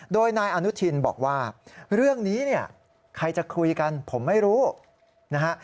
โดยนายอนุทินบอกว่าเรื่องนี้เนี่ยใครจะคุยกันผมไม่รู้นะฮะ